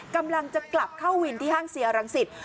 กำลังจะกลับเข้าวินที่ห้างเซียรังสิต